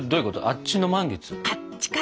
あっちの満月？